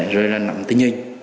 rồi là nằm tình hình